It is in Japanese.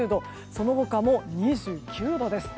その他も２９度です。